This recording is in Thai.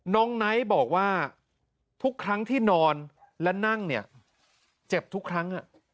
ไนท์บอกว่าทุกครั้งที่นอนและนั่งเนี่ยเจ็บทุกครั้ง